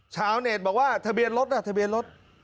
ชาวเน็ตบอกว่าทะเบียนรถน่ะทะเบียนรถ